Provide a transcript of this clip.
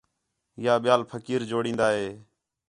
یا ٻِِیال پھقیر جوڑین٘دا ہِے